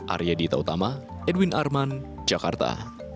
arya dita utama edwin arman jakarta